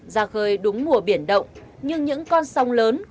ra khơi đúng mùa biển động nhưng những con sông lớn